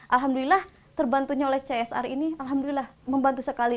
alhamdulillah terbantunya oleh csr ini alhamdulillah membantu sekali